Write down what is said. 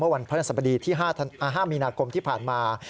เมื่อวันพระนักศัพท์ดีที่๕มีนาคมที่ผ่านมา